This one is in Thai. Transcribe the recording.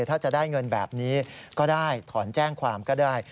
ถ้าจะได้เงินแบบนี้ก็ได้ถอนแจ้งความก็ได้